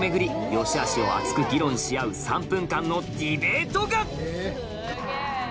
良しあしを熱く議論し合う３分間のディベートが！